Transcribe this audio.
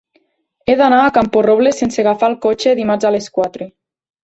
He d'anar a Camporrobles sense agafar el cotxe dimarts a les quatre.